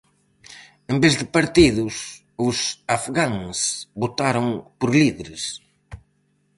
En vez de partidos, os afgáns votaron por líderes.